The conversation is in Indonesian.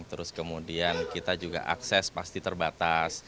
terus kemudian kita juga akses pasti terbatas